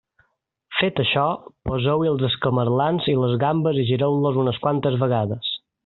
Fet això, poseu-hi els escamarlans i les gambes i gireu-los unes quantes vegades.